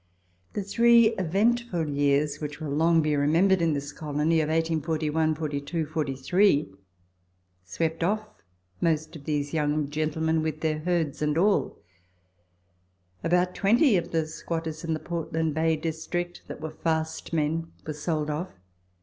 The three eventful years, which will long be remembered in this colony, of 1841 2 3, swept off most of these young gentlemen with their herds and all. About twenty of the squatters in the Portland Bay District (that were fast men) were sold off.